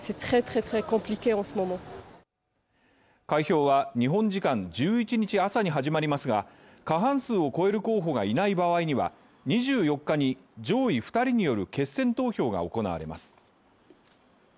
開票は日本時間１１日朝に始まりますが過半数を超える候補がいない場合には２４日に、上位２人による決選投票が行われます。